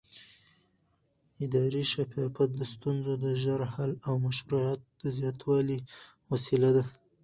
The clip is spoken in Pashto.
اداري شفافیت د ستونزو د ژر حل او مشروعیت د زیاتوالي وسیله ده